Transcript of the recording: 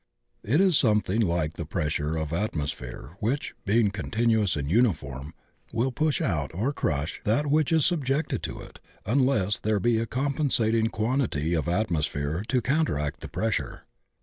It is something like the pressure of atmos phere which, being continuous and uniform, will push out or crush that which is subjected to it unless there be a compensating quantity of atmosphere to counter act the pressure.